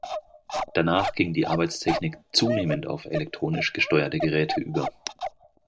Danach ging die Arbeitstechnik zunehmend auf elektronisch gesteuerte Geräte über.